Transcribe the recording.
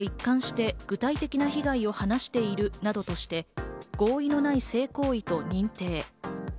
伊藤さんがほぼ一貫して、具体的な被害を話しているなどとして、合意のない性行為と認定。